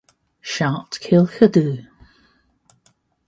Siart cylch ydyw.